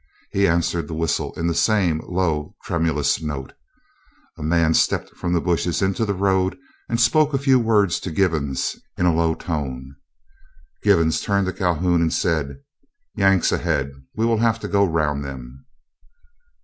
He answered the whistle in the same low, tremulous note. A man stepped from the bushes into the road, and spoke a few words to Givens in a low tone. Givens turned to Calhoun and said: "Yanks ahead. We will have to go round them."